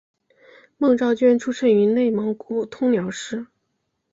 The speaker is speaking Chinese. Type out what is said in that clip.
孟昭娟出生于内蒙古通辽市。